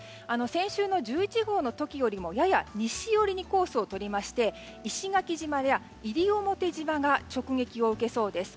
先週の１１号の時よりもやや西寄りにコースをとりまして石垣島や西表島が直撃を受けそうです。